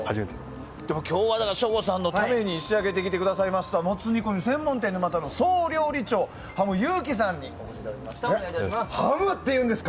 でも今日は省吾さんのために仕上げてくださいましたもつ煮込み専門店沼田の総料理長羽牟雄樹さんにお越しいただきました。